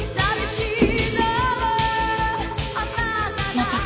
まさか。